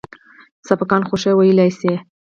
سبقان خو ښه ويلى سئ.